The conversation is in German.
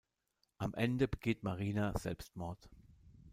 Am Ende begeht Marina Selbstmord.